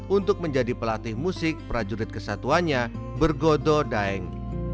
untuk menjadi pelatih musik prajurit kesatuannya bergodo daeng